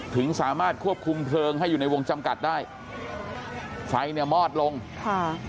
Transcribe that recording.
ถึงสามารถควบคุมเพลิงให้อยู่ในวงจำกัดได้ไฟเนี่ยมอดลงค่ะ